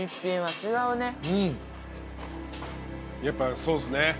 やっぱそうっすね。